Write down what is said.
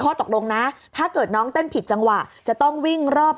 ข้อตกลงนะถ้าเกิดน้องเต้นผิดจังหวะจะต้องวิ่งรอบ